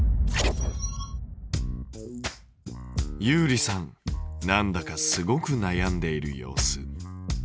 ゆうりさんなんだかすごくなやんでいる様子。